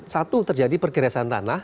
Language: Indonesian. satu terjadi pergerasan tanah